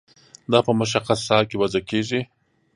دا په مشخصه ساحه کې وضع کیږي.